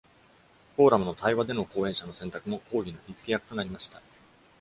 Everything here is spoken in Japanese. フォーラムの「対話」での講演者の選択も抗議の火付け役となりました。